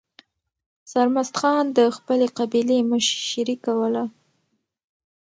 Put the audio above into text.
سرمست خان د خپلې قبیلې مشري کوله.